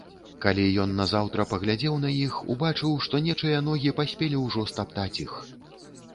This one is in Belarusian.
Калі ён назаўтра паглядзеў на іх, убачыў, што нечыя ногі паспелі ўжо стаптаць іх.